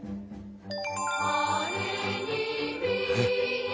えっ。